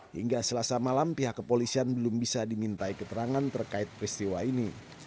hingga selasa malam pihak kepolisian belum bisa dimintai keterangan terkait peristiwa ini